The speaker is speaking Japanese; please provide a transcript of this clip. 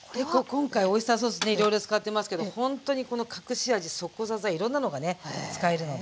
今回オイスターソースねいろいろ使ってますけどほんとにこの隠し味いろんなのがね使えるので。